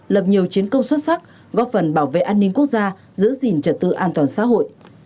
lập nhiều chiến công xuất sắc góp phần bảo vệ an ninh quốc gia giữ gìn trật tự an toàn xã hội